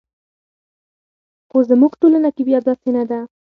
خو زموږ ټولنه کې بیا داسې نه ده.